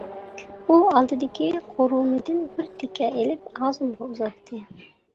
ئۇ ئالدىدىكى قورۇمىدىن بىر تىكە ئېلىپ ئاغزىمغا ئۇزاتتى.